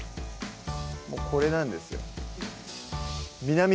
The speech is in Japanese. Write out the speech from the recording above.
これなんですよ